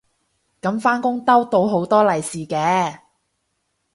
噉返工逗到好多利是嘅